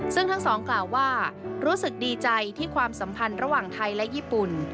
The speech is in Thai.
ซึ่งทั้งสองกล่าวว่ารู้สึกดีใจที่ความสัมพันธ์ระหว่างไทยและญี่ปุ่น